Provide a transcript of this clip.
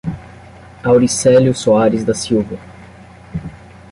Auricelio Soares da Silva